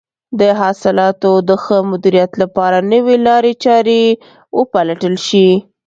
د حاصلاتو د ښه مدیریت لپاره نوې لارې چارې وپلټل شي.